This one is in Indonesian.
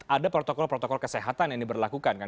ada protokol protokol kesehatan yang diberlakukan kan